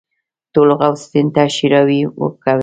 ټولو غوث الدين ته ښېراوې کولې.